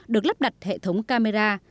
được lắp đặt hệ thống camera